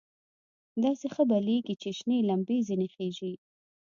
داسې ښه بلېږي چې شنې لمبې ځنې خېژي.